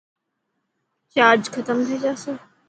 چارج ختم ٿي جاسي.